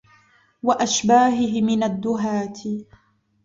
وَأَشْبَاهِهِ مِنْ الدُّهَاةِ